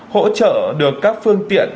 hỗ trợ được các phương tiện